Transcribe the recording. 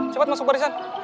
cepet masuk barisan